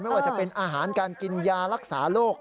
ไม่ว่าจะเป็นอาหารการกินยารักษาโรค